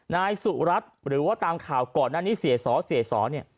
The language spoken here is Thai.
นายสุรัตน์หรือว่าตามข่าวก่อนหน้านี้เสียสอเสียสอเนี่ย